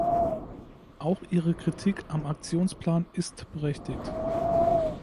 Auch ihre Kritik am Aktionsplan ist berechtigt.